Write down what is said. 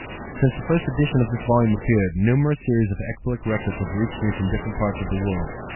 Since the first edition of this volume appeared, numerous series of ecbolic records have reached me from different parts of the world.